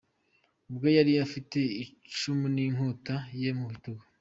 Ubwo yari afite icumu n’inkota ye mu bitugu.